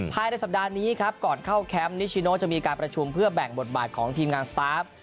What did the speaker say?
ภายในสัปดาห์นี้ครับก่อนเข้าแคมป์นิชิโนจะมีการประชุมเพื่อแบ่งบทบาทของทีมงานสตาฟ